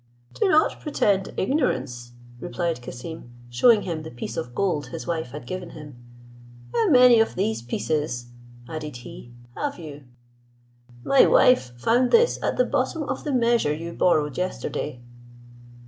"Do not pretend ignorance," replied Cassim, shewing him the piece of gold his wife had given him. "How many of these pieces," added he, "have you? My wife found this at the bottom of the measure you borrowed yesterday."